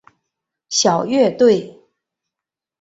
小乐队。